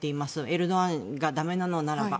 エルドアンが駄目なのならば。